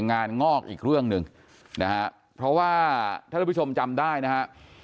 งานงอกอีกเรื่องหนึ่งนะฮะเพราะว่าท่านผู้ชมจำได้นะฮะ